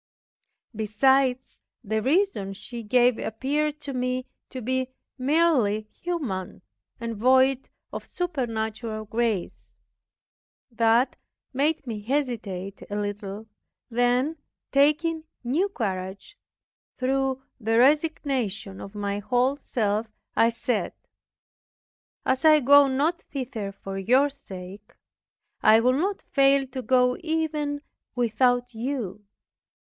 Besides, the reason she gave appeared to me to be merely human, and void of supernatural grace. That made me hesitate a little; then, taking new courage, through the resignation of my whole self, I said, "As I go not thither for your sake, I will not fail to go even without you."